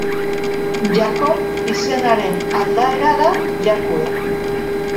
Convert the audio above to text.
Jakob izenaren aldaera da Jakue.